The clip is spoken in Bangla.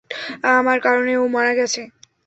আমার কারণে ও মারা গেছে।